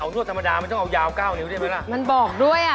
เอานวดธรรมดามันต้องเอายาว๙นิ้วได้ไหมล่ะ